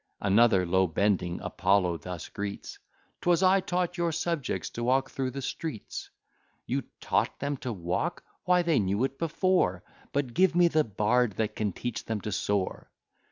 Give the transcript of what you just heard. Another, low bending, Apollo thus greets, "'Twas I taught your subjects to walk through the streets." You taught them to walk! why, they knew it before; But give me the bard that can teach them to soar.